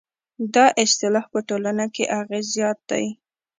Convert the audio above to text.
دا اصطلاح په ټولنه کې اغېز زیات و.